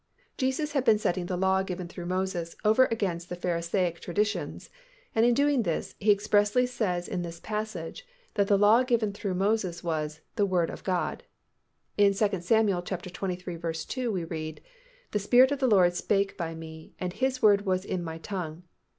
Jesus had been setting the law given through Moses over against the Pharisaic traditions, and in doing this, He expressly says in this passage that the law given through Moses was "the word of God." In 2 Sam. xxiii. 2, we read, "The Spirit of the Lord spake by me, and His word was in my tongue."